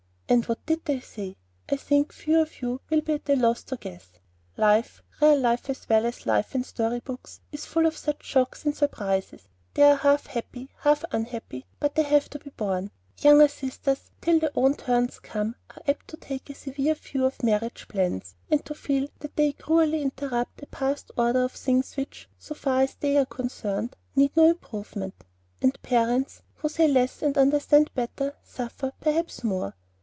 And what did they say? I think few of you will be at a loss to guess. Life real life as well as life in story books is full of such shocks and surprises. They are half happy, half unhappy; but they have to be borne. Younger sisters, till their own turns come, are apt to take a severe view of marriage plans, and to feel that they cruelly interrupt a past order of things which, so far as they are concerned, need no improvement. And parents, who say less and understand better, suffer, perhaps, more.